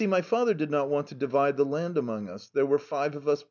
My father did not want to divide the land up between us there are five of us.